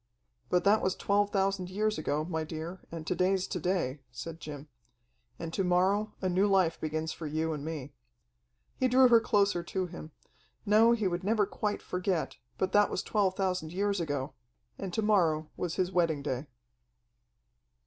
"But that was twelve thousand years ago, my dear, and to day's to day," said Jim. "And to morrow a new life begins for you and me." He drew her closer to him. No, he would never quite forget, but that was twelve thousand years ago ... and to morrow was his wedding day.